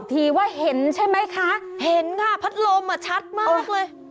ภาพที่ว่าเห็นใช่ไหมคะนายเห็นสินะคะพัดลมเช็ดมากเลย